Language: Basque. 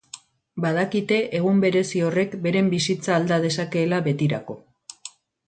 Badakite egun berezi horrek beren bizitza alda dezakeela betirako.